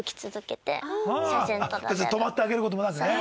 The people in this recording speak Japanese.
別に止まってあげる事もなくね。